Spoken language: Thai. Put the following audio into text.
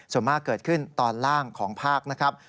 ส่วนมากเกิดขึ้นตอนล่างของภาคนะครับ